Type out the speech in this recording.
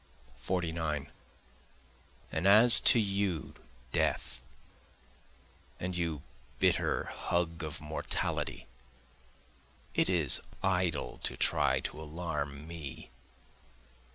49 And as to you Death, and you bitter hug of mortality, it is idle to try to alarm me.